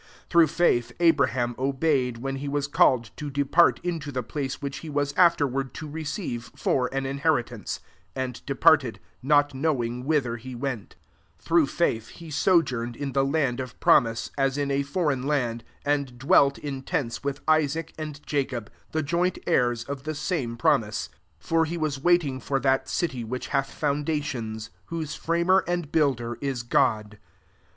8 Through faith, Abraham obeyed, when he was called to depart into the place which he was afterward to receive for an inheritance ; and departed, not knowing whither he went 9 Through faith, he sojourn ed in the land of promise, as in a foreign land, and dwelt in tents with Isaac and Jacob, the joint heirs of the same promise: 10 for he was waiting for that city which hath foundations; whose framer and builder f« God.